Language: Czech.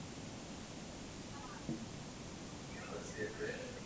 Zde otec tříletého Adolfa nastoupil jako správce poplužního dvora.